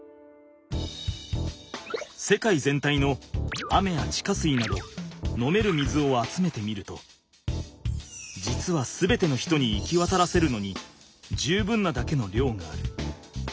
世界全体の雨や地下水など飲める水を集めてみると実は全ての人に行きわたらせるのに十分なだけの量がある。